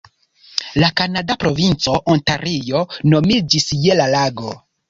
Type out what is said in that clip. La kanada provinco, Ontario, nomiĝis je la lago.